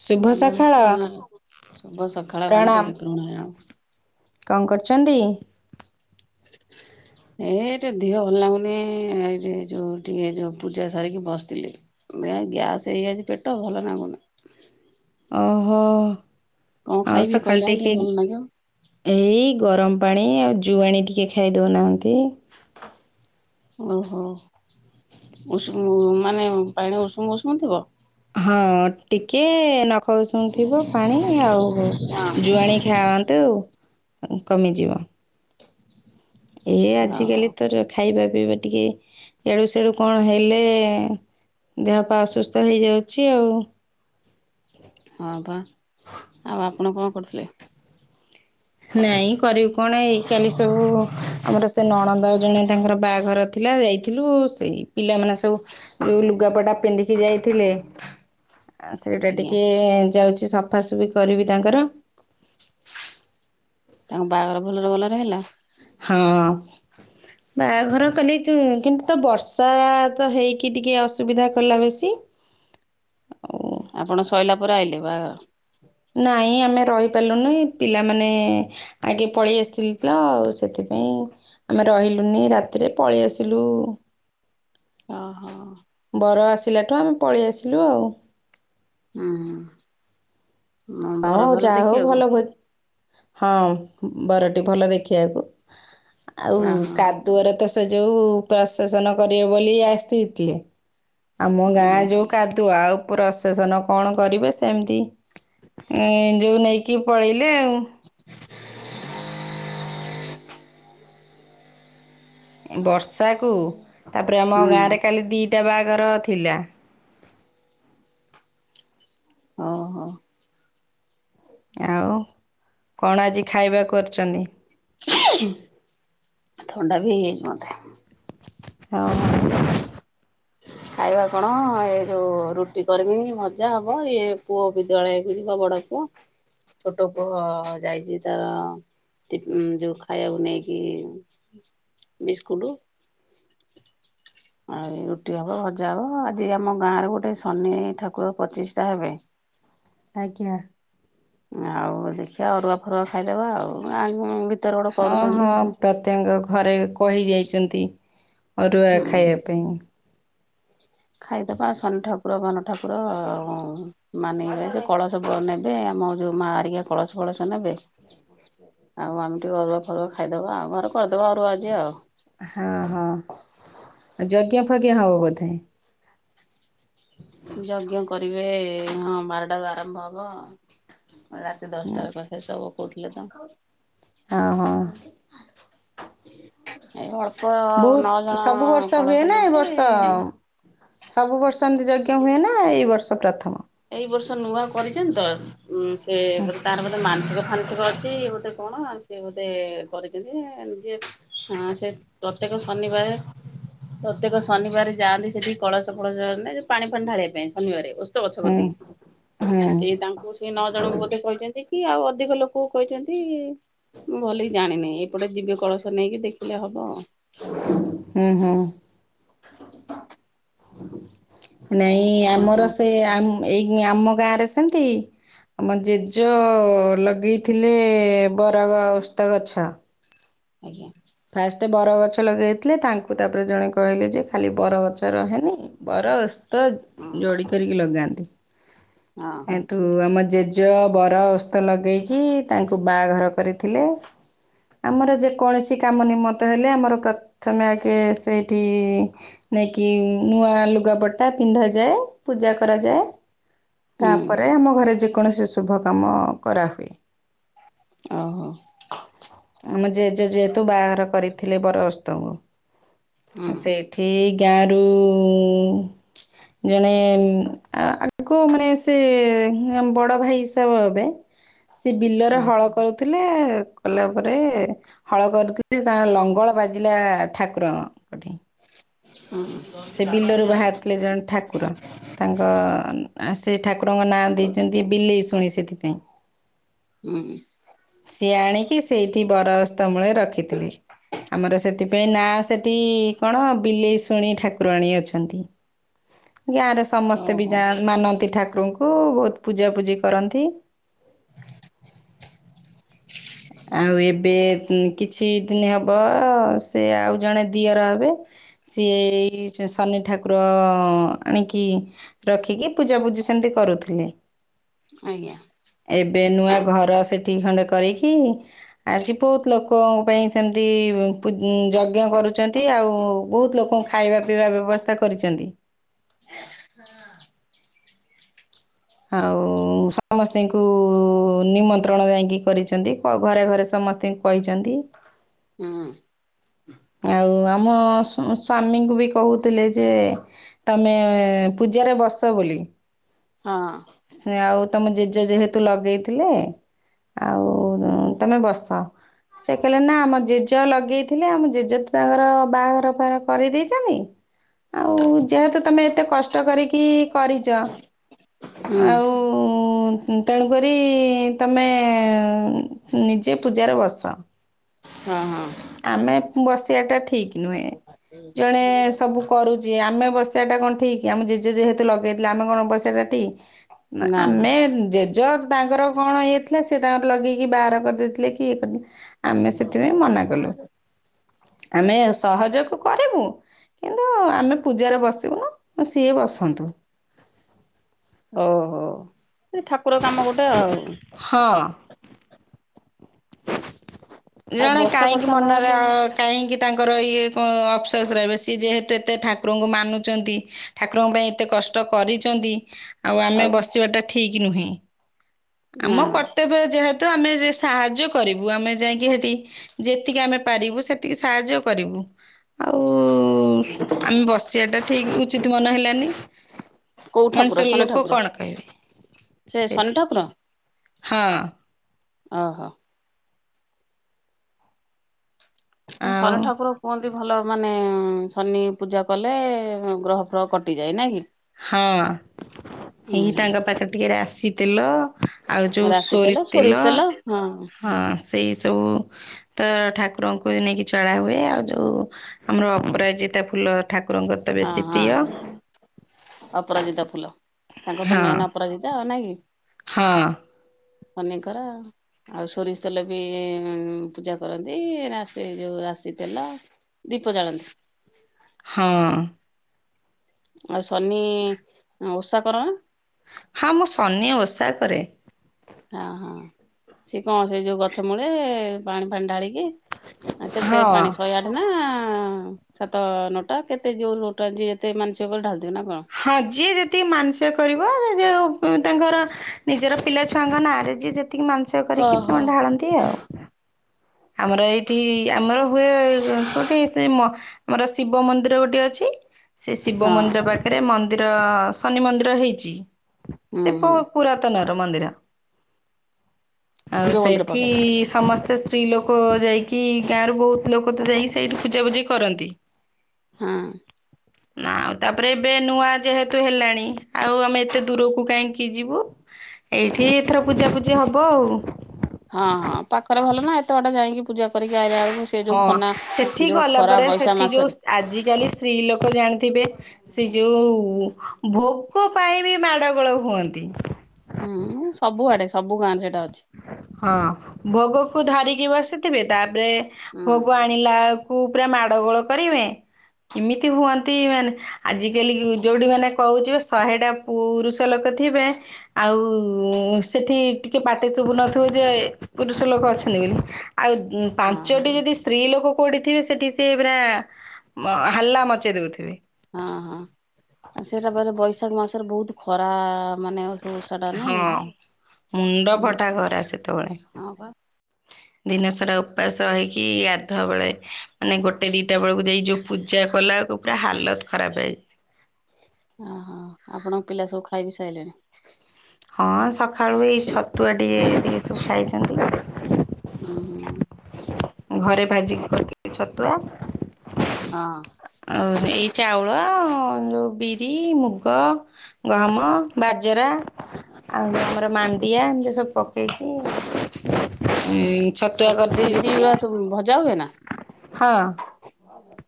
ଶୁଭ ସକାଳ ଶୁଭ ସକାଳ। ପ୍ରଣାମ କଣ କରୁଛନ୍ତି। [inaudible] ଏ ଟିକେ ଦିହ ଭଲ ଲାଗୁନି ଏଇ ଯୋଉ ଟିକେ ଯୋଉ ପୂଜା ସାରିକି ବସିଥିଲି ଗ୍ୟାସ ହେଇଯାଇଛି ପେଟ ଭଲ ନାଗୁନି। ଓହୋ। କଣ ଆଉ ଖାଇବି ସକାଳେ କହିଲା ଟିକେ ଭଲ ଲାଗିବ। ଏଇ ଗରମ ପାଣି ଆଉ ଜୁଆଣି ଟିକେ ଖାଇ ଦେଉନାହାଁନ୍ତି। ଓହୋ ଉଷୁମ ମାନେ ପାଣି ଉଷୁମ ଉଷୁମ ଥିବ। ହଁ ଟିକେ ନଖ ଖ ଉଷୁମ ଥିବ ପାଣି ଆଉ ଜୁଆଣି ଖାଆନ୍ତୁ। କମିଯିବ। ଏ ଓହୋ ଆଜିକାଲି ତ ଖାଇବା ପିଇବା ଟିକେ ଏଳୁ ସେଳୁ କଣ ହେଲେ। ଦେହ ପା ଅସୁସ୍ଥ ହେଇଯାଉଛି ଆଉ। ହଁ ବା, ଆଉ ଆପଣ କଣ କରୁଥିଲେ। ନାଇଁ କରିବୁ କଣ ଏଇ କାଲି ସବୁ ଆମର ସେ ନଣନ୍ଦ ଜଣେ ତାଙ୍କର ବାହାଘର। ଥିଲା ଯାଇଥିଲୁ ସେଇ ପିଲାମାନେ ସବୁ ଯୋଉ ଲୁଗାପଟା ପିନ୍ଧିକି ଯାଇଥିଲେ। ଆ ସେଇଟା ଆଜ୍ଞା ଟିକେ ଯାଉଛି ସଫାସଫି କରିବି ତାଙ୍କର। ତାଙ୍କ ବାହାଘର ଭଲରେ ଭଲରେ ହେଲା। ହଁ। ବାହାଘର କଲେ ତୁ କିନ୍ତୁ ତ ବର୍ଷା ତ ହେଇକି ଟିକେ ଅସୁବିଧା କଲା ବେଶୀ। ଆପଣ ସରିଲା ପରେ ଆଇଲେ ବାହାଘର। ନାହିଁ ଆମେ ରହିପାରିଲୁନି ପିଲାମାନେ। ଆଗେ ପଳେଇ ଆସିଥିଲି ତ ଆଉ ସେଥିପାଇଁ। ଆମେ ରହିଲୁନି ରାତିରେ ପଳେଇ ଆସିଲୁ। ଓହୋ। ବର ଆସିଲାଠୁ ଆମେ ପଳେଇ ଆସିଲୁ ଆଉ। ହୁଁ ହୁଁ ମଁ ହଉ ବର ଭଲ ଯାହା ହଉ ଭଲ ଦେଖିବାକୁ? ଭୋ ହଁ ବରଟି ଭଲ ଦେଖିବାକୁ ଆଉ ଓହୋ କା ଦୁଅ ରେ ତ ସେ ଯୋଉ ପ୍ରଶାସନ କରିବେ ବୋଲି ଆସିଥିଲେ। ଆମ ଗାଁ ଆଜ୍ଞା ଯୋଉ କାଦୁଅ ଆଉ ପ୍ରସାସନ କଣ କରିବେ ସେମିତି ଏ ଯୋଉ ନେଇକି ପଳେଇଲେ ଆଉ। ବର୍ଷାକୁ ତାପରେ ଆମ ହୁଁ। ଗାଁରେ କାଲି ଦିଟା ବାହାଘର ଥିଲା। ଓହ। ଆଉ କଣ ଆଜି ଖାଇବାକୁ କରୁଛନ୍ତି? ଥୋଣ୍ଡା ବି ହେଇ ଯାଇଛି ମତେ। ହଁ। ଖାଇବା କଣ ଏ ଯୋଉ ରୁଟି କରିବି ଭଜା ହେବ ଇଏ ପୁଅ ବିଦ୍ୟାଳୟକୁ ଯିବ ବଡ଼ ହୁ ଛୋଟ ପୁଅ ଯାଇଛି ତ ତି ଯୋଉ ଖାଇବାକୁ ନେଇକି ବିସ୍କୁଟ। ଆଉ ରୁଟି ହବ ଭଜା ହବ ଆଜି ଆମ ଗାଁ ରେ ଗୋଟେ ଶନି ଠାକୁର ପଚିଷ୍ଟା ହେବେ। ଆଜ୍ଞା। ଆଉ ଦେଖିବା ଅରୁଆ ଫରୁଆ ଖାଇଦେବା ଆଉ ଆନ ହଁ ହଁ ପ୍ରତ୍ୟଙ୍ଗ ଘରେ କହି ଯାଇଛନ୍ତି। ଅରୁଆ ହୁଁ। ଖାଇବା ପାଇଁ। ଖାଇଦବା ଆଉ ଶନି ଠାକୁର ବନ ଠାକୁର ମାନେଇବେ ସେ କଳସ ନେବେ ଆମ ଯୋଉ ମା ହରିକା କଳସ କଳସ ନେବେ ଆଉ ଆମେ ଟିକେ ଅରୁଆ ଫରୁଆ ଖାଇଦେବା ଆଉ ଘରେ କରିଦେବା ଅରୁଆ ଆଜି ଆଉ। ହଁ ହଁ ଯଜ୍ଞ ଫଜ୍ଞ ହବ ବୋଧେ। ଯଜ୍ଞ କରିବେ ହଁ ବାରଟାରୁ ଆରମ୍ଭ ହବ। ରାତି ଦଶଟାରେ କଥା ସବୁ କହୁଥିଲେ ତ। ହଁ ହଁ ଏଇ ହ ବହୁତ, ସବୁ ବର୍ଷ ହୁଏ ନା ଏ ନେବେ ବର୍ଷ ସବୁ ବର୍ଷ ଏମିତି ଯଜ୍ଞ ହୁଏ ନା ଏଇ ବର୍ଷ ପ୍ରଥମ? ଏଇ ବର୍ଷ ନୂଆ କରିଛନ୍ତି ତ ଉମ ସେ ବୋଧେ କାର ବୋଧେ ମାନସିକ ଫାନସିକ ଅଛି ସିଏ ଗୋଟେ କଣ ସିଏ ଗୋଟେ କରିଛନ୍ତି [unintelligible] ହଁ ସେ ପ୍ରତ୍ୟେକ ଶନିବାରେ ପ୍ରତ୍ୟେକ ଶନିବାର ଯାଆନ୍ତି ସେଠି କଳସ ଫଳସ ଏମିତି ପାଣି ଫାଣି ଢାଳିବା ପାଇଁ ଶନିବାରେ ଉସ୍ତ ଗଛପ [inaudible] ଆ ସେ ତାଙ୍କୁ ସେ ନଅ ଜଣଙ୍କୁ ବୋଧେ କହିଛନ୍ତି କି ଆଉ ଅଧିକ ଲୋକ କୁ କହିଛନ୍ତି। ମୁଁ ଭଲିକି ଜାଣିନି ଏପଟେ ଯିବେ କଳସ ନେଇକି ଦେଖିଲେ ହବ। ହୁଁ ହୁଁ। ନାଇଁ ଆପଣ କଣ ଆମର ସେ କରୁଥିଲେ? ଆମ ଏଇ ଆମ ଗାଁ ରେ ସେମିତି ଆମ ଜେଜ ଲଗେଇଥିଲେ ବରଗ ଓସ୍ତ ଗଛ। ଆଜ୍ଞା। ଫାଷ୍ଟ ବରଗଛ ଲଗେଇଥିଲେ ତାଙ୍କୁ ତାପରେ ଜଣେ କହିଲେ ଯେ ଖାଲି ବରଗଛ ରହେନି। ବର ଓସ୍ତ ହୁଁ ଯୋଡି କରିକି ଲଗାନ୍ତି। ହଁ। ଏଠୁ ଆମ ଜେଜ ବର ଓସ୍ତ ଲଗେଇକି ତାଙ୍କୁ ବାହାଘର କରିଥିଲେ। ଆମର ଯେକୌଣସି କାମ ନିମତ ହେଲେ ଆମର ପ୍ରଥମେ ଆଗେ ସେଇଠି ନେଇକି ନୂଆ ଲୁଗାପଟା ପିନ୍ଧାଯାଏ ପୂଜା କରାଯାଏ। ହୁଁ ତାପରେ ଆମ ଘରେ ଯେକୌଣସି ଶୁଭ କାମ କରାହୁଏ। ଓହୋ। ଆମ ଜେଜ ଯେ ତୁ ବାହାଘର କରି ଥିଲେ ବର ଓସ୍ତଙ୍କୁ ହୁଁ ଆ ସେଇଠି ଗାଁରୁ ଜଣେ ଉଁ ଆଙ୍କୁ ମାନେ ସେ ବଡ଼ ଭାଇ ହିସାବ ହେବେ। ସେ ବିଲରେ ହୁଁ। ହଳ କରୁଥିଲେ କଲା ପରେ ହଳ କରୁଥିଲି ତାଙ୍କ ଲଙ୍ଗଳ ବାଜିଲା ଠାକୁରଙ୍କ ଠେଇଁ। ହଁ। ସେ ବିଲରୁ ବାହାରିଥିଲେ ଜଣେ ଠାକୁ ଠାକୁର ତାଙ୍କ ଆ ସେ ଠାକୁରଙ୍କ ନାଁ ଦେଇଚନ୍ତି ବିଲେଇଶୁଣି ସେଥିପାଇଁ। ଉଁ ସିଏ ଆଣିକି ସେଇଠି ବର ଅସ୍ତ ମୂଳେ ରଖିଥିଲେ ଆମର ସେ ସେଥିପାଇଁ ନାଁ ସେଠି କଣ ବିଲେଇ ଶୁଣି ଠାକୁ ରାଣୀ ଅଛନ୍ତି ଗାଁରେ ସମସ୍ତେ ବି ଓହୋ ଯାଆ ମାନନ୍ତି ଠାକୁରଙ୍କୁ। କୁ ବହୁତ ପୂଜାପୂଜି କରନ୍ତି। ଆଉ ଏବେ କିଛି ଦିନ ହବ ସେ ଆଉ ଜଣେ ଦିଅର ହେବେ ସିଏ ଏଇ ଯ ଶନି ଠାକୁର ଆଣିକି ରଖିକି ପୂଜା ପୂଜି ସେମିତି କରୁଥିଲେ। ଆଜ୍ଞା। ଏବେ ନୂଆ ଘର ସେଠି ଖଣ୍ଡେ କରିକି ଆଜି ବହୁତ ଲୋକଙ୍କ ପାଇଁ ସେମିତି ପୂ ଯଜ୍ଞ କରୁଚନ୍ତି ଆଉ ବହୁତ ଲୋକଙ୍କୁ ଖାଇବା ପିଇବା ବ୍ୟବସ୍ଥା କରିଚନ୍ତି। ହଁ। ଆଉ ସମସ୍ତିଙ୍କୁ ନିମନ୍ତ୍ରଣ ଯାଇଁକି କରିଚନ୍ତି ଘରେ ଘରେ ସମସ୍ତେ କହିଚନ୍ତି। ହୁଁ ଆଉ ଆଉ ମୋ ସୁ ସ୍ୱାମୀଙ୍କୁ ବି କହୁଥିଲେ ଯେ ତମେ ପୂଜାରେ ବସ ବୋଲି। ହଁ। ସେ ଆଉ ତମ ଜେଜ ଯେହେତୁ ଲଗେଇଥିଲେ ଆଉ ତମେ ବସ। ସେ କହିଲେ ନା ଆମ ଜେଜ ଲଗେଇଥିଲେ ଆମ ଜେଜେ ତ ତାଙ୍କର ବାହାଘର ଫା କରେଇ ଦେଇଚନି। ଆଉ ଯେହେତୁ ତମେ ଏତେ କଷ୍ଟ କରିକି କରିଚ। ହୁଁ ଆଉ ଉଁ ତେଣୁ କରି ତମେ ନିଜେ ପୂଜାରେ ବସ। ହଁ ହଁ। ଆମେ ବସିବା ଟା ଠିକ୍ ନୁହେଁ ଜଣେ ସବୁ କରୁଚି ଆମେ ବସିବା ଟା କଣ ଠିକ୍ ଆମ ଜେଜେ ଯେହେତୁ ଲଗେଇଥିଲେ ଆମେ କଣ ବସିବା ଟା କଣ ଠିକ୍? ନା ଆମେ ଜେଜର୍ ତାଙ୍କର କଣ ଇଏ ଥିଲା ସେ ତାଙ୍କର ଲଗେଇକି ବାହାର କରିଦେଇଥିଲେ କି ଇଏ କରି ଆମେ ସେଥିପାଇଁ ମନା କଲୁ ଆମେ ସହଯୋଗ କରିବୁ। କିନ୍ତୁ ଆମେ ପୂଜାରେ ବସିବୁନୁ ଅ ସିଏ ବସନ୍ତୁ। ଓହୋ [inaudible] ସେ ଠାକୁର କାମ ଗୋଟେ ଆଉ ହଁ ଆଉ ଜଣେ ବର୍ଷା କାହିଁକି ଫର୍ଷା ମନରେ ନହୁଅନ୍ତା କି କାହିଁକି ତାଙ୍କର ଇଏ କଣ ଅଫସ୍ସ ରହିବେ, ସିଏ ଯେହେତୁ ଏତେ ଠାକୁରଙ୍କୁ ମାନୁଚନ୍ତି ଠାକୁରଙ୍କ ପାଇଁ ଏତେ କଷ୍ଟ କରିଚନ୍ତି ଆଉ ଆମେ ବସିବାଟା ଠିକ୍ ନୁହେଁ [inaudible] ନା ଆମ କ ନା ତେବେ ଯେହେତୁ, ଆମେ ଯେ ସାହାଯ୍ୟ କରିବୁ, ଆମେ ଯାଇ ଯେଠି, ଯେତିକି ଆମେ ପାରିବୁ ସେତିକି ସାହାଯ୍ୟ କରିବୁ, [inaudible] ଆଉ ଆମେ ବସିବାଟା ଠିକ୍ ଉଚିତ ମନ ହେଲାନି, କୋଉ [inaudible] ଠାକୁର ମଣିଷ ଶନି ଲୋକ ଠାକୁର କଣ କହିବେ [inaudible] ସେ ଶନି ସେଥି ଠାକୁର? [inaudible] ହଁ ଓ ହୋ ଅଁ, ଆଉ ଶନ ଠାକୁର କୁହନ୍ତି, ଭଲ ମାନେ ଶନି ପୂଜା କଲେ -ଗ୍ରହ ଫ୍ରହ କଟିଯାଏ ନାଇ କି, ହଁ - [inaudible] ହେଇ ତାଙ୍କ ହୁଁ ପାଖରେ ଟିକେ ରାଶି ତେଲ ଆଉ ଯୋଉ ସୋରିଷ ତେଲ, [inaudible] ହଁ ସେଇ ସବୁ ତ, ଠାକୁରଙ୍କୁ ନେଇକି ଚଳା ହୁଏ, ଆଉ ଯୋଉ ଆମର ଅପରାଜିତା ଫୁଲ ଠାକୁରଙ୍କର ତ, ହଁ ବେଶୀ ହଁ। ପ୍ରିୟ। [inaudible] ଅପରାଜିତା ଫୁଲ, [inaudible] ତାଙ୍କର ତ ହଁ ମେନ୍ ଅପରାଜିତା ନାଇ କି [inaudible] ହଁ ଅନେକର ଆଉ ସୋରିଷ ତେଲ ବି ପୂଜା କରନ୍ତି ରାଶି ଯୋଉ ରାଶି ତେଲ। ଦୀପ ଜାଳନ୍ତି ହଁ ଆଉ ଶନି, [inaudible] ଓଷା କର ନା ହଁ, ମୁଁ ଶନି ଓଷା କରେ। ଅଁ-ହଁ, [inaudible] ସିଏ କଣ ସେ ଯୋଉ ଗଛ ମୂଳେ ପାଣି ଫାଣି ଢାଳିକି [inaudible] ଆ କେତେ ହଁ ପାଣି ଶହେଆ ନା ସାତ ନଅଟା କେତେ ଯୋଉ ନଟା ଯ ଏତେ ମାନସିକ କରି ଢାଳି ଦିଅ ନା କଣ? ହଁ, ଯିଏ ଯେତିକି ମାନସିକ କରିବ, ଯୋଉ ତାଙ୍କର ନିଜର ପିଲା ଛୁଆଙ୍କ ନାଁରେ ଯିଏ ଯେତିକି ମାନସିକ ହଁ କରିକି ହଁ। ପୁଣି ଢାଳନ୍ତି ଆଉ ଆମର ଏଇଠି ଆମର ହୁଏ, କୋଉଠି ସେ ମ ମର ଶିବ ମନ୍ଦିର ଗୋଟେ ଅଛି ସେ ଶିବ ହଁ ମନ୍ଦିର ପାଖରେ, ମନ୍ଦିର ଶନି ମନ୍ଦିର ହେଇଚି [inaudible] ହୁଁ ସେ ପୁ ହୁଁ ପୁରାତନ ର ମନ୍ଦିର, [inaudible] ଆଉ ଶିବ ମନ୍ଦିର ସେଠି ପାଖରେ ସମସ୍ତେ- ସ୍ତ୍ରୀ ଲୋକ ଯାଇକି, ଗାଁ ର ବହୁତ ଲୋକ ତ ଯାଇକି, ସେଇଠି ପୂଜାପୂଜିି କରନ୍ତି। ହଁ [inaudible] ନା, ଆଉ ତାପରେ ଏବେ ନୂଆ ଯେହେତୁ ହେଲାଣି, ଆଉ ଆମେ ଏତେ ଦୂରକୁ କାହିଁକି ଯିବୁ ଏଇଠି, ଏଥର ପୂଜାପୂଜି ହବ ଆଉ ହଁ, ହଁ ପାଖରେ ଭଲ ନା, ଏତେ ବାଟ ଯାଇକି ପୂଜା କରିକି ଆଇଲା ବେଳକୁ ସେ ହଁ, ଯୋଉ ଖନା ସେଠି ଯୋଉ ଗଲା ଖରା ପରେ ବୈଶାଖ ସେଠି ଯୋଉ, ମାସରେ ଆଜିକାଲି ସ୍ତ୍ରୀ ଲୋକ ଜାଣିଥିବେ ସେ ଯୋଉ ଭୋକ ପାଇଁ ବି ମାଡଗୋଳ ହୁଅନ୍ତି। ହୁଁ ସବୁଆଡେ, ସବୁ ଗାଁରେ ସେଇଟା ଅ ହଁ, ଭୋଗକୁ ଧରିକି ବସିଥିବେ, ତାପରେ ହୁଁ ଭୋଗ ଆଣିଲା କୁ ପୁରା ମାଡ ଗୋଳ କରିବେ। ଏମିତି ହୁଅନ୍ତି ମାନେ ଆଜିକାଲି ଯୋଉଠି ମାନେ କହୁଛୁ ଶହେଟା ପୁରୁଷ ଲୋକ ଥିବେ ଆଉ ସେଠି ଟିକେ ପା ପାଟିଶୁଭୁ ନଥିବ ଯେ ପୁରୁଷ ଲୋକ ଅଛନ୍ତି ବୋଲି ଆଉ ହଁ ହଁ ପାଞ୍ଚଟି ଯଦି ସ୍ତ୍ରୀ ଲୋକ କୋଉଠିଥିବେ ସେଠି ସେ ପୁରା ହାଲ୍ଲା ମଚେଇ ଦେଉଥିବେ। ହଁ ହଁ ସେଇରା ପରେ ବୈଶାଖ ମାସରେ ବହୁତ ଖରା ମାନେ ସବୁ ଓଷା ଟା ନାଇଁ ହଁ କି? ମୁଣ୍ଡ ହୁଁ ଫଟା ଖରା ସେତେବେଳେ। ହଁ ପା। ଦିନ ସାରା ଉପାସ ହେଇକି ଗାଧୁଆ ବେଳେ ମାନେ ଗୋଟେ ଦିଟା ବେଳକୁ ଯାଇ ଯୋଉ ପୂଜା କଲା ବେଳକୁ ପୁରା ହାଲତ ଖରାପ ହେଇ ଓହୋ ଆପଣଙ୍କ ପିଲା ସବୁ ଖାଇ ପିଇ ସାରିଲେଣି? ହଁ ସକାଳୁ ଏଇ ଛତୁଆ ଟିକେ ଟିକେ ସବୁ ଖାଇଛନ୍ତି। ହୁଁ ହୁଁ। ଘରେ ଭାଜିକିି କରିିଥିଲି ଛତୁଆ। ହଁ। ଆଉ ଏଇ ଚାଉଳ ଯୋଉ ବିରି, ମୁଗ ଗହମ, ବାଜରା ଆଉ ଆମର ମାଣ୍ଡିଆ ଏମତି ସବୁ ପକେଇକି ହୁଁ। ଛତୁଆ କରି ବିରି ଦେଇଥିଲି। ଗୁରା ସବୁ ଭଜା ହୁଏ ନା? ହଁ।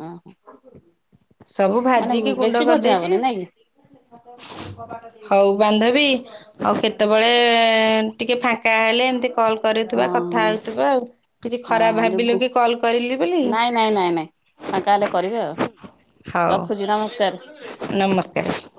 ହୁଁ ହୁଁ। ସବୁ ଭାଜିିକି ଗୁଣ୍ଡ ବେଶୀ ଭଜା କରିଦେଇଚି। ହବନି ନାଇଁ କି? ହଉ ବାନ୍ଧବୀ ଆଉ କେତେବେଳେ ଟିକେ ଫାଙ୍କା ହେଲେ ଏମିତି କଲ ହଁ କରୁଥିବା କଥା ହଉଥିବା ଆଉ କିଛି ହଁ ଖରାପ ହଁ ଯୋଉ ଭାବିଲ ଗୁ କି କଲ୍ କରିଲି ବୋଲି? ନାଇଁ ନାଇଁ ନାଇଁ ନାଇଁ ଫାଙ୍କା ହେଲେ କରିବି ଆଉ। ହଉ ରଖୁଚି ନମସ୍କାର। ନମସ୍କାର।